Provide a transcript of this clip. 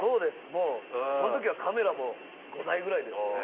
もうそのときはカメラも５台ぐらいですよね。